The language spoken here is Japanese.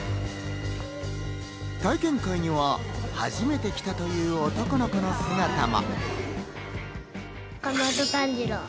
体験会には初めて来たという男の子の姿も。